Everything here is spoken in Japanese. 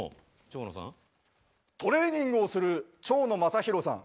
トレーニングをする蝶野正洋さん。